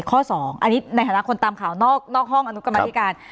ข้อ๒อันนี้ในฐานะคนตามข่าวนอกห้องอนุกรรมธิการ